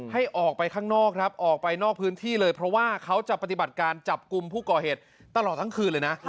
ให้ออกไปข้างนอกครับออกไปนอกพื้นที่เลยเพราะว่าเขาจะปฏิบัติการจับกลุ่มผู้ก่อเหตุตลอดทั้งคืนเลยนะ